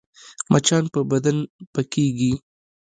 مچان په بدن پکېږي